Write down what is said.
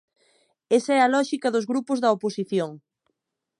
Esa é a lóxica dos grupos da oposición.